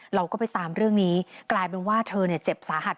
เราก็ไปตามเรื่องนี้กลายเป็นว่าเธอเนี่ยเจ็บสาหัส